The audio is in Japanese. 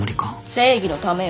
正義のためよ。